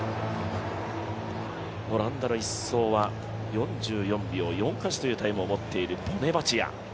オランダの１走は、４４秒４８というタイムを持っているボネバチア。